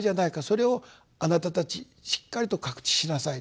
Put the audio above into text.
それを貴方たちしっかりと覚知しなさい。